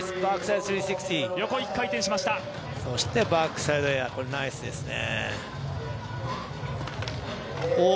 バックサイドエア、ナイスですね。